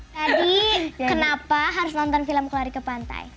jadi kenapa harus nonton film kulari ke pantai